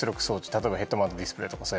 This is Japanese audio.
例えばヘッドマウントディスプレーとか。